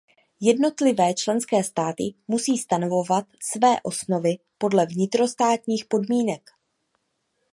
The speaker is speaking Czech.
Jednotlivé členské státy musí stanovovat své osnovy podle vnitrostátních podmínek.